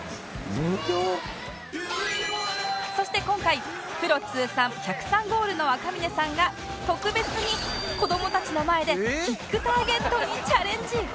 そして今回プロ通算１０３ゴールの赤嶺さんが特別に子どもたちの前でキックターゲットにチャレンジ